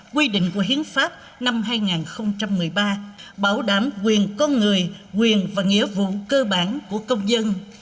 quy định của hiến pháp năm hai nghìn một mươi ba bảo đảm quyền con người quyền và nghĩa vụ cơ bản của công dân